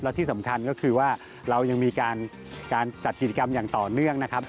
และที่สำคัญก็คือว่าเรายังมีการจัดกิจกรรมอย่างต่อเนื่องนะครับ